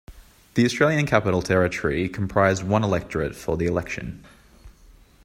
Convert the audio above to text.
The Australian Capital Territory comprised one electorate for the election.